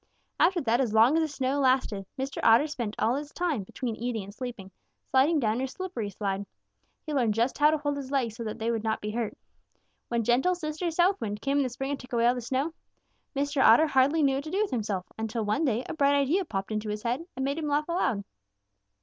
"After that, as long as the snow lasted, Mr. Otter spent all his time, between eating and sleeping, sliding down his slippery slide. He learned just how to hold his legs so that they would not be hurt. When gentle Sister South Wind came in the spring and took away all the snow, Mr. Otter hardly knew what to do with himself, until one day a bright idea popped into his head and made him laugh aloud.